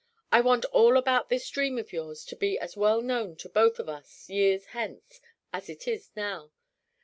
I want all about this dream of yours to be as well known to both of us, years hence, as it is now.